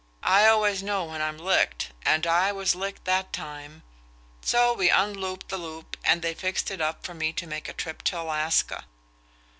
I always know when I'm licked; and I was licked that time. So we unlooped the loop, and they fixed it up for me to make a trip to Alaska.